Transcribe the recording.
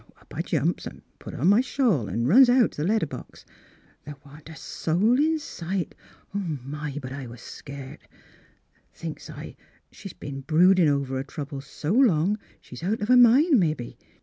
" Up I jumps an' puts on my shawl an' runs out t' the letter box. The' wa' n't a soul in sight. My ! but I was scart. Thinks s' I, she's been broodin' over her troubles so long she's out of her mind, mebbe.